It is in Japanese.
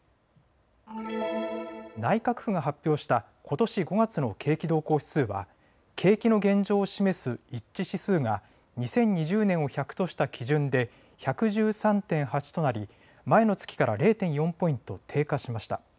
内閣府が発表したことし５月の景気動向指数は景気の現状を示す一致指数が２０２０年を１００とした基準で１１３．８となり前の月から０．４ポイント低下しました。